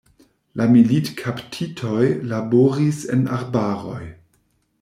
La militkaptitoj laboris en arbaroj.